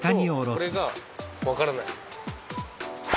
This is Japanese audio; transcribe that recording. これとこれが分からない。